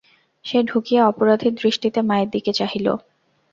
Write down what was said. সে ঢুকিয়া অপরাধীর দৃষ্টিতে মায়ের দিকে চাহিল।